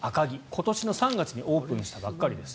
今年の３月にオープンしたばかりです。